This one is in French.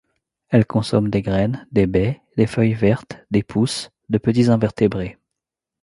Elle consomme des graines, des baies, des feuilles vertes, des pousses, de petits invertébrés.